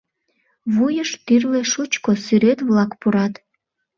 Вуйыш тӱрлӧ шучко сӱрет-влак пурат.